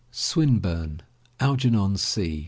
SWINBURNE, ALGERNON C.